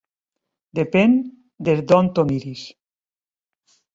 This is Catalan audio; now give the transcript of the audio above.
Depèn des d'on t'ho miris.